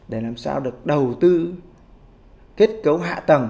để làm sao được đầu tư kết cấu hạ tầng